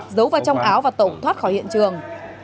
giấu vào trong áo và tẩu thoát khỏi hiện trường